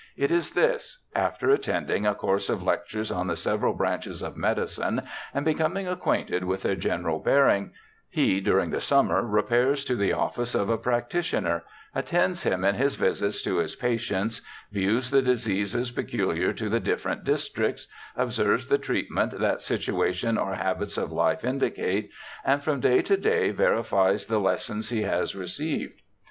It is this — after attending a course of lectures on the several branches of medicine and be coming acquainted with their general bearing, he during the summer repairs to the office of a practitioner; attends him in his visits to his patients ; views the ii8 BIOGRAPHICAL ESSAYS diseases peculiar to the different districts; observes the treatment that situation or habits of Hfe indicate, and from day to day verifies the lessons he has received.